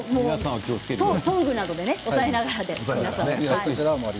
トングなどで押さえながら。